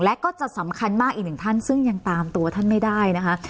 และก็จะสำคัญมากอีกหนึ่งท่านซึ่งยังตามตัวท่านไม่ได้นะคะ